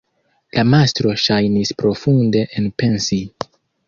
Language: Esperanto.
La mastro ŝajnis profunde enpensi.